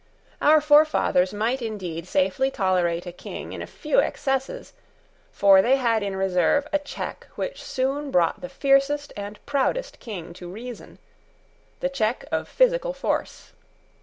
Our forefathers might indeed safely tolerate a king in a few excesses; for they had in reserve a check which soon brought the fiercest and proudest king to reason, the check of physical force.